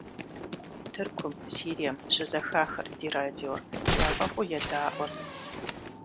Тыркум, Сирием щызэхахырт ди радиор, яфӀэфӀу едаӀуэрт.